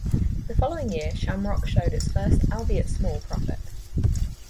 The following year Shamrock showed its first, albeit small, profit.